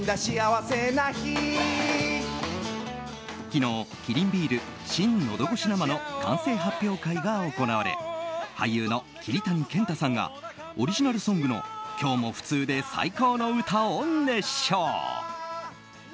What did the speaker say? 昨日、キリンビール新のどごし生の完成発表会が行われ俳優の桐谷健太さんがオリジナルソングの「今日もふつうでサイコーの唄」を熱唱。